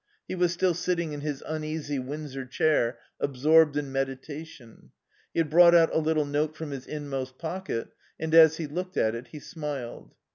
He was still sitting in his uneasy Windsor chair, absorbed in meditation. He had brought out a little note from his inmost pocket and as he looked at it he smiled.